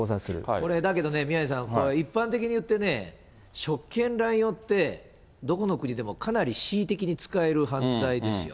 これだけどね、宮根さん、一般的に言ってね、職権乱用って、どこの国でもかなり恣意的に使える犯罪ですよ。